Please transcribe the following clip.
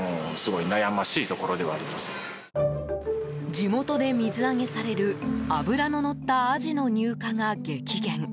地元で水揚げされる脂ののったアジの入荷が激減。